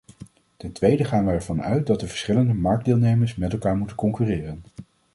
Ten tweede gaan wij ervan uit dat de verschillende marktdeelnemers met elkaar moeten concurreren.